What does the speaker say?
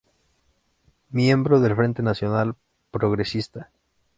Miembro del Frente Nacional Progresista.